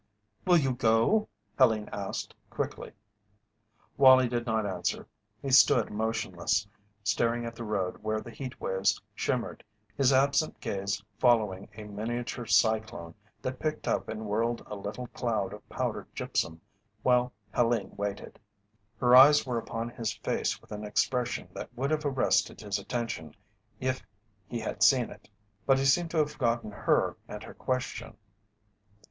"Will you go?" Helene asked, quickly. Wallie did not answer. He stood motionless, staring at the road where the heat waves shimmered, his absent gaze following a miniature cyclone that picked up and whirled a little cloud of powdered gypsum, while Helene waited. Her eyes were upon his face with an expression that would have arrested his attention if he had seen it, but he seemed to have forgotten her and her question.